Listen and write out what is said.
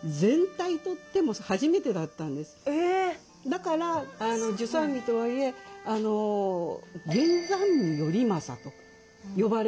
だから従三位とはいえ源三位頼政と呼ばれるんです。